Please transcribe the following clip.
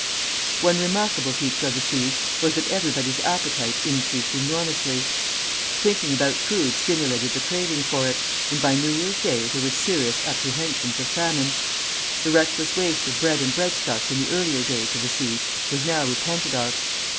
One remarkable feature of the siege was that everybody's appetite increased enormously. Thinking about food stimulated the craving for it, and by New Year's Day there were serious apprehensions of famine. The reckless waste of bread and breadstuffs in the earlier days of the siege was now repented of.